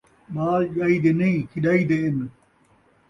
ٻال ڄئی دے نئیں، کھݙائی دے اِن